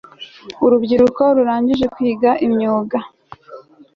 urubyiruko rurangije kwiga imyuga